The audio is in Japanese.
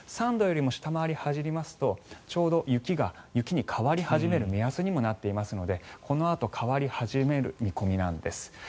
３度よりも下回り始めますとちょうど雪に変わり始める目安になっていますのでこのあと変わり始める見込みなんです。